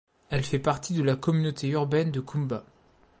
Elle fait partie de la communauté urbaine de Kumba.